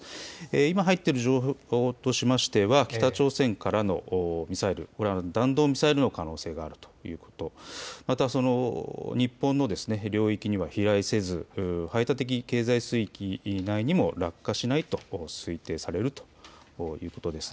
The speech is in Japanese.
今、入っている情報としましては、北朝鮮からのミサイル、これは弾道ミサイルの可能性があるということ、また日本の領域には飛来せず排他的経済水域内にも落下しないと推定されるということです。